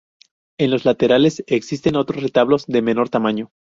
En los laterales existen otros retablos de menor tamaño.